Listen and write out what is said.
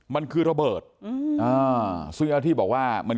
มันคือระเบิดเอ่อสุยฤทธิ์บอกว่ามันคือ